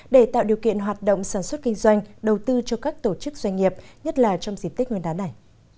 để tạo điều kiện hoạt động sản xuất kinh doanh đầu tư cho các tổ chức doanh nghiệp nhất là trong dịp tết nguyên đán này